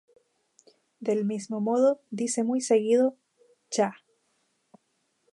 Del mismo modo, dice muy seguido "¡Cha!